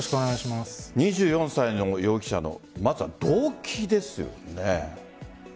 ２４歳の容疑者の動機ですよね。